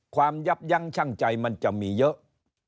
ยับยั้งชั่งใจมันจะมีเยอะ